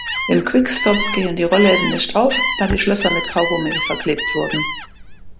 Im Quick-Stop gehen die Rollläden nicht auf, da die Schlösser mit Kaugummi verklebt wurden.